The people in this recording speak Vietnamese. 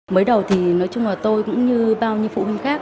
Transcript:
mới đầu thì nói chung là tôi cũng như bao nhiêu phụ huynh khác